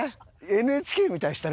ＮＨＫみたいでしたね